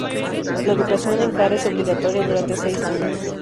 La educación en Kara es obligatoria durante seis años.